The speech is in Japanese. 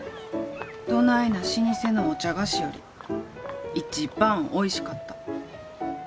どないな老舗のお茶菓子より一番おいしかった。